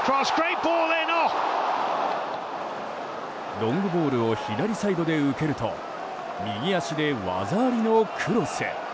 ロングボールを左サイドで受けると右足で技ありのクロス。